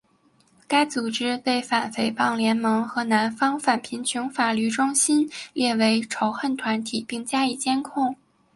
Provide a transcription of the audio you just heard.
该组织被反诽谤联盟和南方反贫穷法律中心列为仇恨团体并加以监控。